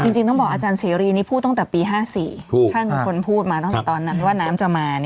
จริงต้องบอกอาจารย์เสรีนี่พูดตั้งแต่ปี๕๔ท่านเป็นคนพูดมาตั้งแต่ตอนนั้นว่าน้ำจะมา